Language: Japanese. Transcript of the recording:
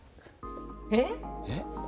えっ？えっ？